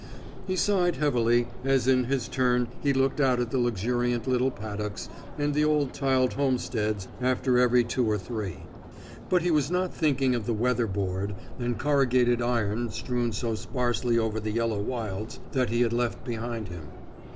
He sighed heavily as in his turn he looked out at the luxuriant little paddocks and the old tiled homesteads after every two or three. But he was not thinking of the weather board and corrugated iron strewn so sparsely over the yellow wilds that he had left behind him.